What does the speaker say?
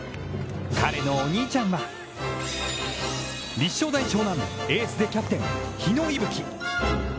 彼のお兄ちゃんは立正大湘南、エースでキャプテン日野勇吹。